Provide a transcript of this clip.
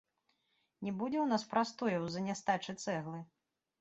Не будзе ў нас прастояў з-за нястачы цэглы?